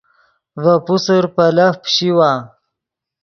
ڤے پوسر پیلف پیشیوا